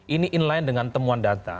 ini inline dengan temuan data